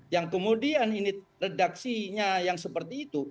yang kemudian ini redaksinya yang seperti itu